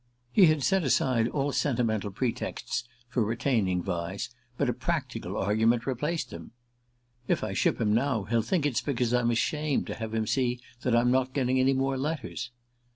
He had set aside all sentimental pretexts for retaining Vyse; but a practical argument replaced them. "If I ship him now he'll think it's because I'm ashamed to have him see that I'm not getting any more letters."